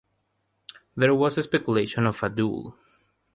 There was speculation of a duel.